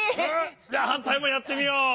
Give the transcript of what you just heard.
じゃはんたいもやってみよう。